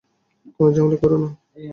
কোনো ঝামেলা কোরো না।